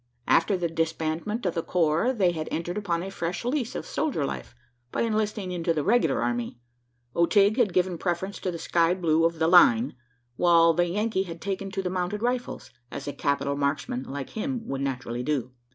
After the disbandment of the corps, they had entered upon a fresh lease of soldier life, by enlisting into the regular army. O'Tigg had given preference to the sky blue of the "line;" while the Yankee had taken to the mounted rifles as a capital marksman, like him, would naturally do.